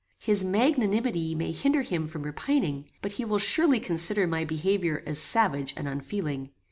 His magnanimity may hinder him from repining, but he will surely consider my behaviour as savage and unfeeling.